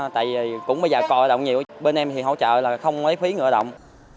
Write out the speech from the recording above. tại vì cũng bây giờ coi động nhiều bên em thì hỗ trợ là không lấy phí người lao động